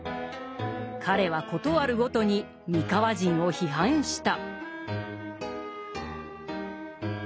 彼は事あるごとに三河人を批判した。